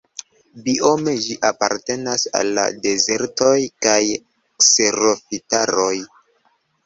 Biome ĝi apartenas al la dezertoj kaj kserofitaroj.